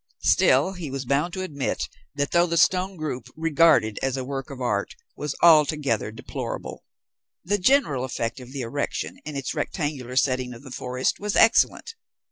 Still, he was bound to admit that though the stone group, regarded as a work of art, was altogether deplorable, the general effect of the erection, in its rectangular setting of forest, was excellent.